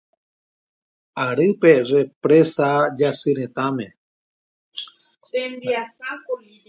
Ary pe Represa Jasyretãme.